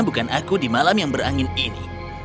bukan aku di malam yang berangin ini